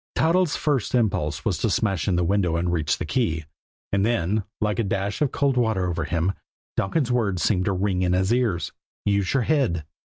Toddles' first impulse was to smash in the window and reach the key. And then, like a dash of cold water over him, Donkin's words seemed to ring in his ears: "Use your head."